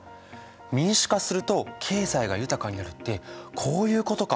民主化すると経済が豊かになるってこういうことか。